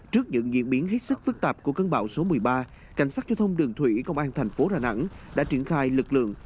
trước những diễn biến hết sức phức tạp của cơn bão số một mươi ba cảnh sát giao thông đường thủy công an thành phố đà nẵng đã triển khai lực lượng